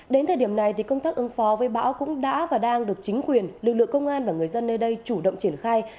đến thời điểm này thì công tác ứng phó với bão cũng đã và đang được chính quyền lực lượng công an và người dân nơi đây chủ động triển khai